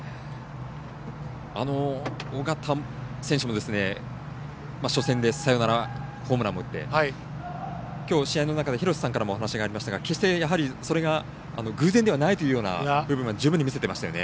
緒方選手も初戦でサヨナラホームランも打ってきょう、試合の中で廣瀬さんからもお話がありましたが決して、やはりそれが偶然ではないというような部分は十分に見せていましたよね。